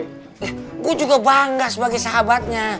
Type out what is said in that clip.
gue juga bangga sebagai sahabatnya